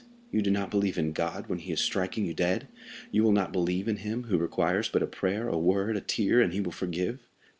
you do not believe in God when he is striking you dead? you will not believe in him, who requires but a prayer, a word, a tear, and he will forgive?